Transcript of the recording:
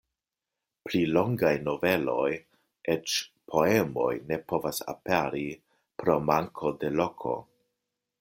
Pli longaj noveloj, eĉ poemoj ne povas aperi pro manko de loko.